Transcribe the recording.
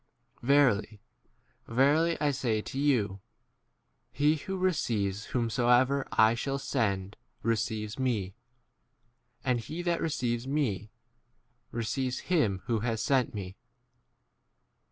Verily, verily, I say to you, He who re ceives whomsoever I shall send receives me ; and he that receives me receives him who has sent me.